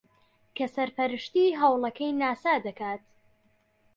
کە سەرپەرشتیی ھەوڵەکەی ناسا دەکات